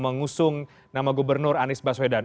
nama gubernur anies baswedan